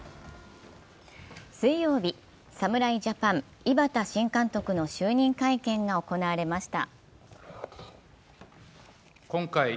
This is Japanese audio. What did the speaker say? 水曜日、侍ジャパン・井端新監督の就任会見が行われました。